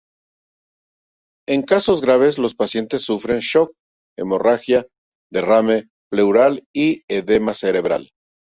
En casos graves, los pacientes sufren shock, hemorragia, derrame pleural y edema cerebral.